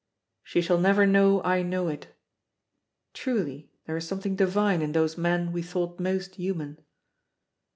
"She shall never know I know it." Truly there is something divine in those men we thought most human.